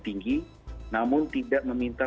tinggi namun tidak meminta